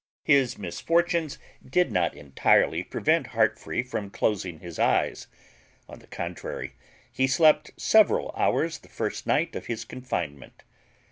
His misfortunes did not entirely prevent Heartfree from closing his eyes. On the contrary, he slept several hours the first night of his confinement.